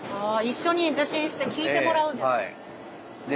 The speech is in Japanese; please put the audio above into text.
一緒に受診して聞いてもらうんですね。